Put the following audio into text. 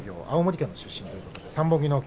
青森県の出身。